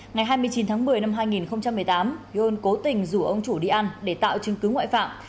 ngày hai mươi chín tháng một mươi năm hai nghìn một mươi tám yon cố tình rủ ông chủ đi ăn để tạo chứng cứ ngoại phạm